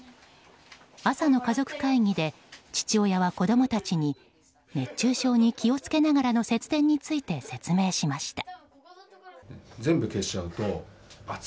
朝の家族会議で父親は子供たちに熱中症に気を付けながらの節電について説明しました。